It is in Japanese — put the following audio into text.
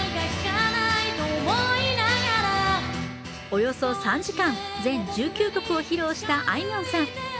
およそ３時間、全１９曲を披露したあいみょんさん。